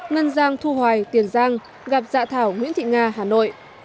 ngân giang thu hoài tiền giang gặp dạ thảo nguyễn thị nga hà nội